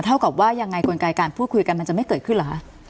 เท่ากับว่ายังไงกลไกการพูดคุยกันมันจะไม่เกิดขึ้นเหรอคะ